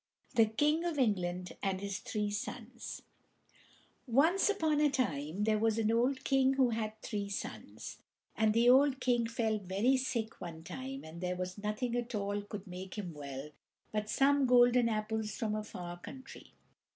The King of England and His Three Sons Once upon a time there was an old king who had three sons; and the old king fell very sick one time and there was nothing at all could make him well but some golden apples from a far country.